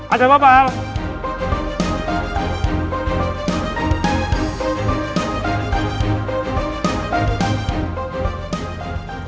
ada apa pak